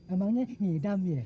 emangnya hidam ya